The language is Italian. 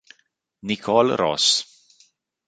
Nicole Ross